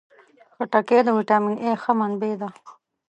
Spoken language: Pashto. خټکی د ویټامین A ښه منبع ده.